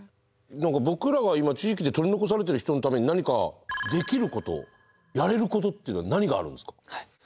何か僕らが今地域で取り残されてる人のために何かできることやれることっていうのは何があるんですか？